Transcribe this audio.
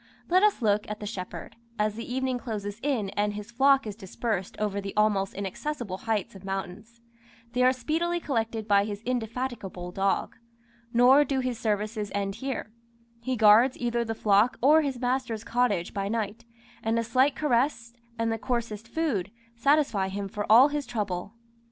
Let us look at the shepherd, as the evening closes in and his flock is dispersed over the almost inaccessible heights of mountains; they are speedily collected by his indefatigable dog nor do his services end here: he guards either the flock or his master's cottage by night, and a slight caress, and the coarsest food, satisfy him for all his trouble.